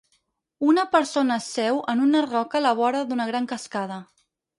Una persona seu en una roca a la vora d"una gran cascada.